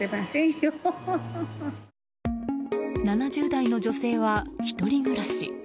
７０代の女性は１人暮らし。